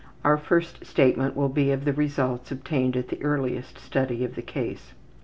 Our first statement will be of the results obtained at the earliest study of the case.